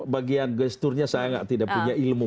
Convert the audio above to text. bagian gesturnya saya tidak punya ilmu